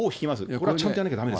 これはちゃんとやんなきゃですね。